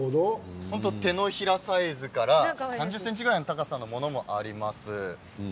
手のひらサイズから３０ｃｍぐらいの高さのものまであります。